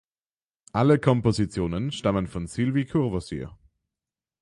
Alle Kompositionen stammen von Sylvie Courvoisier.